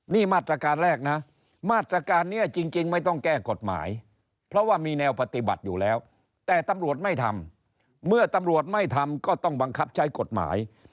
นี่มาตรการแรกนะมาตรการนี้จริงไม่ต้องแก้กฎหมายเพราะว่ามีแนวปฏิบัติอยู่แล้วแต่ตำรวจไม่ทำเมื่อตำรวจไม่ทำก็ต้องบังคับใช้กฎหมาย